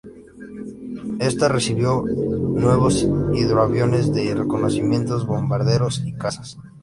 Esta recibió nuevos hidroaviones de reconocimiento, bombarderos y cazas.